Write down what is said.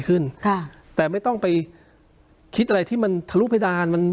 ขึ้นค่ะแต่ไม่ต้องไปคิดอะไรที่มันทะลุเพดานมัน